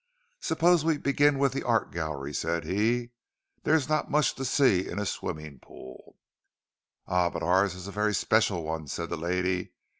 "Suppose we begin with the art gallery," said he. "There's not much to see in a swimming pool." "Ah, but ours is a very special one," said the lady.